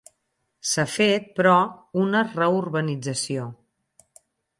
S’ha fet, però, una reurbanització.